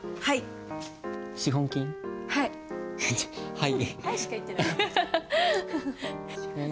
はい。